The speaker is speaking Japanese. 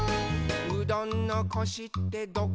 「うどんのコシってどこなんよ？」